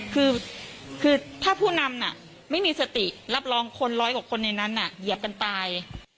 คือถ้าผู้นำไม่มีสติรับรองคนร้อยกว่าคนในนั้นเหยียบกันตาย